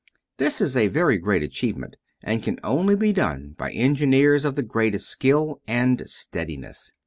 This is a very great achievement, and can only be done by engineers of the greatest skill and steadiness.